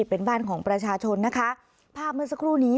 เป็นบ้านของประชาชนนะคะภาพเมื่อสักครู่นี้